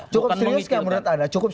cukup serius nggak menurut anda